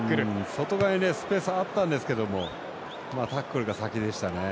外側にスペースあったんですけどタックルが先でしたね。